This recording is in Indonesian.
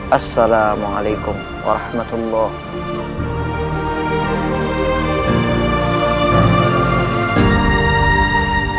assalamualaikum warahmatullahi wabarakatuh